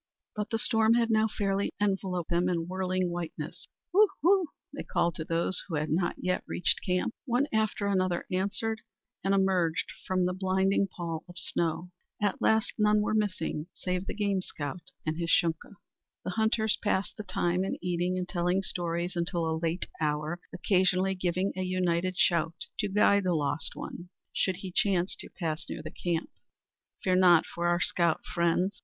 But the storm had now fairly enveloped them in whirling whiteness. "Woo, woo!" they called to those who had not yet reached camp. One after another answered and emerged from the blinding pall of snow. At last none were missing save the game scout and his Shunka! The hunters passed the time in eating and telling stories until a late hour, occasionally giving a united shout to guide the lost one should he chance to pass near their camp. "Fear not for our scout, friends!"